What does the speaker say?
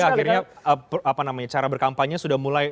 akhirnya cara berkampanye sudah mulai